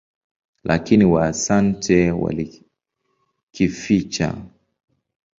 Lakini Waasante walikificha.